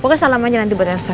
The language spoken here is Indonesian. pokoknya salam aja nanti buat elsa